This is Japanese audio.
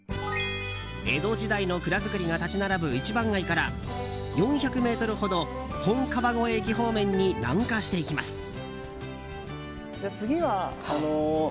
江戸時代の蔵造りが立ち並ぶ一番街から４００ｍほど本川越駅方面に南下していきます。